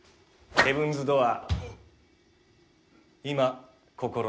ヘブンズ・ドアー。